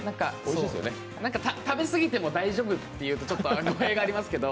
食べすぎても大丈夫っていうとちょっと語弊がありますけど。